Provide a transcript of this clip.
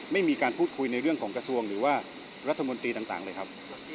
ไม่มีการพูดคุยในเรื่องของกระทรวงหรือว่ารัฐมนตรีต่างเลยครับ